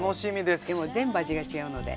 でも全部味が違うので。